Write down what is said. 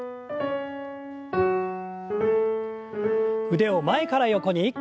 腕を前から横に。